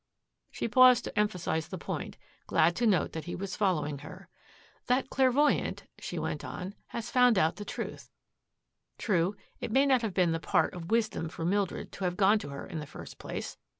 She paused to emphasize the point, glad to note that he was following her. "That clairvoyant," she went on, "has found out the truth. True, it may not have been the part of wisdom for Mildred to have gone to her in the first place.